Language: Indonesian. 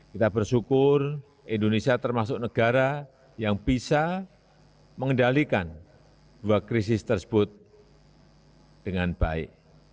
kita bersyukur indonesia termasuk negara yang bisa mengendalikan dua krisis tersebut dengan baik